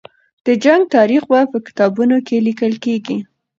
د جنګ تاریخ به په کتابونو کې لیکل کېږي.